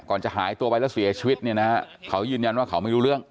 จะหายตัวไปแล้วเสียชีวิตเนี่ยนะฮะเขายืนยันว่าเขาไม่รู้เรื่อง